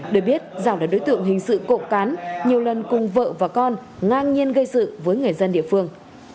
để biết giảng là đối tượng hình sự cộng cán nhiều lần cùng vợ và con ngang nhiên gây sự với người dân địa phương